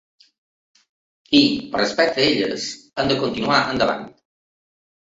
I per respecte a elles, hem de continuar endavant.